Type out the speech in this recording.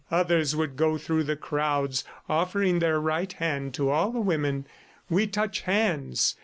Others would go through the crowds, offering their right hand to all the women. "We touch hands."